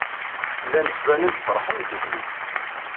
Llan ttbanen-d feṛḥen ddukkli.